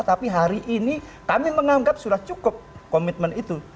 tapi hari ini kami menganggap sudah cukup komitmen itu